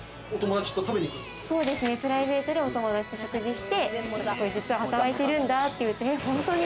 プライベートでお友達と食事して、実は働いてるんだって言って、本当に？